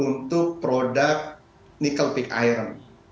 untuk produk nikel pick iron